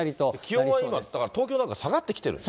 気温は今、だから東京なんかは下がってきてるんですね。